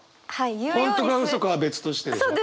本当かうそかは別としてでしょ？